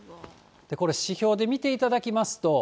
これ、指標で見ていただきますと。